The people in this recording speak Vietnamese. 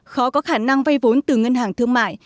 khó có khả năng vay vốn từ ngân hàng thương mại